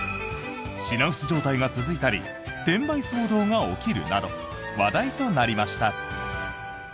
品薄状態が続いたり転売騒動が起きるなど話題となりました。